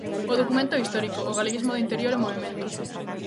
O documento é histórico: o galeguismo do interior en movemento.